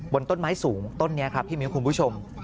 บนต้นไม้สูงต้นนี้ครับพี่มิ้วคุณผู้ชม